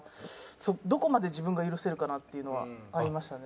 どこまで自分が許せるかなっていうのはありましたね。